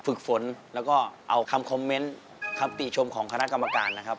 ฝึกฝนแล้วก็เอาคำคอมเมนต์คำติชมของคณะกรรมการนะครับ